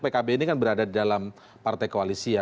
pkb ini kan berada dalam partai koalisi ya